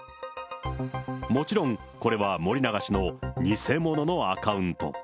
もちろん、これは森永氏の偽物のアカウント。